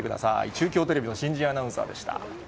中京テレビの新人アナウンサーでした。